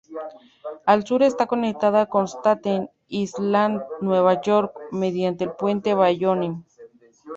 Al sur está conectada con Staten Island, Nueva York, mediante el puente Bayonne.